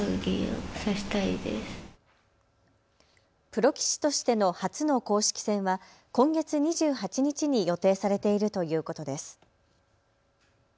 プロ棋士としての初の公式戦は今月２８日に予定されているということです。